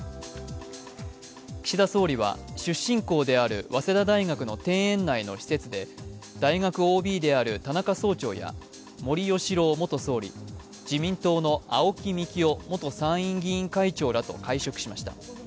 岸田総理は出身校である早稲田大学の庭園内の施設で大学ＯＢである田中総長や森喜朗元総理自民党の青木幹雄元参院議員会長らと会食しました。